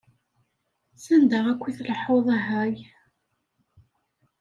S anda akk i tleḥḥuḍ a Hey?